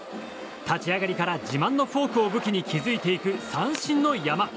立ち上がりから自慢のフォークを武器に築いていく三振の山。